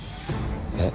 えっ？